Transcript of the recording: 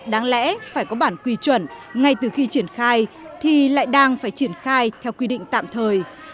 đáng lẽ phải có bản quy chuẩn ngay từ khi triển khai thì lại đang phải triển khai theo quy định tạm thời